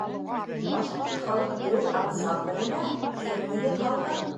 Башҡорт халыҡ бейеү ансамбленә кем нигеҙ һалған?